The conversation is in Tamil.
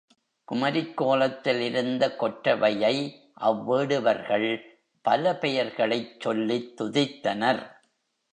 குமரிக் கோலத்தில் இருந்த கொற்றவையை அவ்வேடுவர்கள் பல பெயர்களைச் சொல்லித் துதித்தனர்.